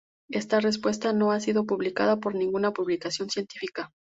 Esta respuesta no ha sido publicada por ninguna publicación científica.